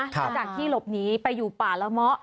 จากที่หลบหนีไปอยู่ป่าระมะ